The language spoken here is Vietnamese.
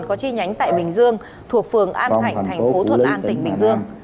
có chi nhánh tại bình dương thuộc phường an thạnh thành phố thuận an tỉnh bình dương